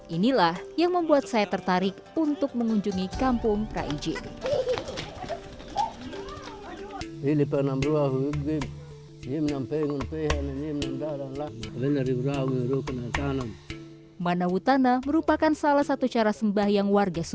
inilah yang membuat saya tertarik untuk mengunjungi kampung kijing